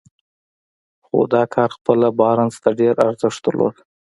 خو دا کار خپله بارنس ته ډېر ارزښت درلود.